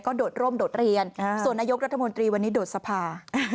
โดดร่มโดดเรียนส่วนนายกรัฐมนตรีวันนี้โดดสภา